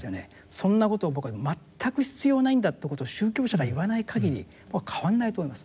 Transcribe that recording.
そんなことを僕は全く必要ないんだということを宗教者が言わないかぎり僕は変わんないと思います。